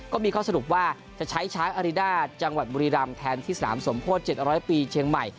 ก็มีข้อสรุปว่าจะใช้ช้างอาริดาจังหวัดบุรีรำแทนที่สนามสมโพธิ๗๐๐ปีเชียงใหม่